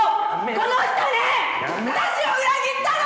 この人ね私を裏切ったの！